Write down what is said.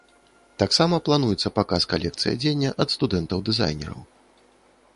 Таксама плануецца паказ калекцый адзення ад студэнтаў-дызайнераў.